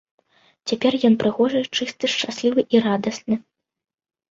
Цяпер ён прыгожы, чысты, шчаслівы і радасны.